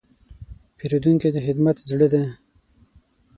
پیرودونکی د خدمت زړه دی.